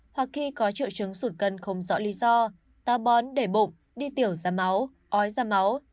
hoặc khi có triệu chứng sụt cân không rõ lý do ta bón để bụng đi tiểu ra máu ói ra máu